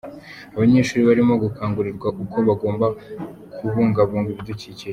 Abanyeshuri barimo gukangurirwa uko bagomba kubungabunga ibidukikije.